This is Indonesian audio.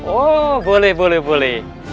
oh boleh boleh boleh